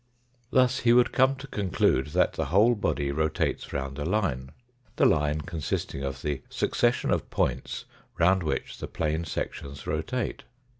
Thus he would come to conclude that the whole body rotates round a line the line consisting of the succession of points round which the plane sections rotate.